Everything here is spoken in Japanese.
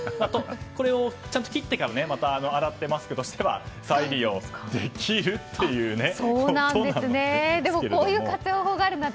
これをちゃんと切ってからまた洗ってマスクとしては再利用できるということなので。